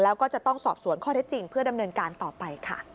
แล้วก็จะต้องสอบสวนข้อเท็จจริงเพื่อดำเนินการต่อไปค่ะ